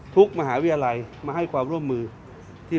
มหาวิทยาลัยมาให้ความร่วมมือ